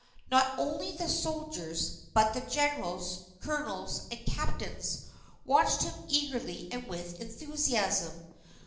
Not only the soldiers, but the generals, colonels, and captains, watched him eagerly and with enthusiasm.